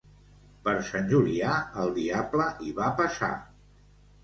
Per Sant Julià, el diable hi va passar.